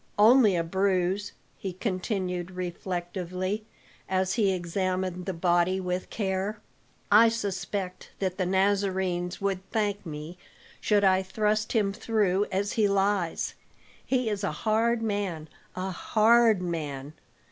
"Only a bruise," he continued reflectively, as he examined the body with care. "I suspect that the Nazarenes would thank me should I thrust him through as he lies. He is a hard man a hard man.